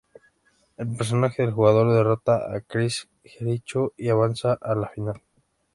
El personaje del jugador derrota a Chris Jericho y avanza a la final.